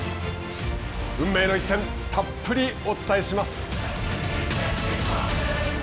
運命の一戦たっぷりお伝えします。